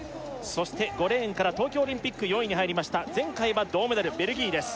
そして５レーンから東京オリンピック４位に入りました前回は銅メダルベルギーです